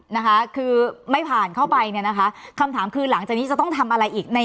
นะคะคือไม่ผ่านเข้าไปเนี่ยนะคะคำถามคือหลังจากนี้จะต้องทำอะไรอีกใน